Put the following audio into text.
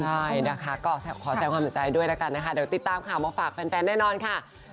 ใช่นะคะก็ขอแสดงความเสียใจด้วยแล้วกันนะคะเดี๋ยวติดตามข่าวมาฝากแฟนแน่นอนค่ะ